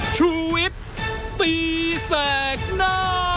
ชูเว็ตตีแสงหน้า